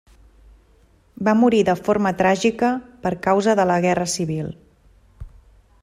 Va morir de forma tràgica per causa de la Guerra Civil.